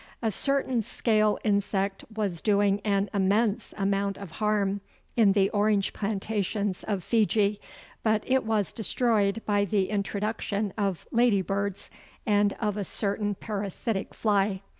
A certain scale insect was doing an immense amount of harm in the orange plantations of Fiji, but it was destroyed by the introduction of lady birds, and of a certain parasitic fly.